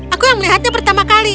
aku yang melihatnya pertama kali